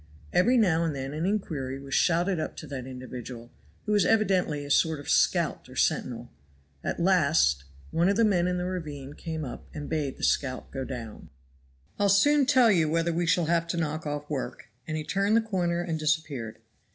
Every now and then an inquiry was shouted up to that individual, who was evidently a sort of scout or sentinel. At last one of the men in the ravine came up and bade the scout go down. "I'll soon tell you whether we shall have to knock off work." And he turned the corner and disappeared.